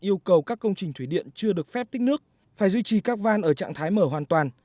yêu cầu các công trình thủy điện chưa được phép tích nước phải duy trì các van ở trạng thái mở hoàn toàn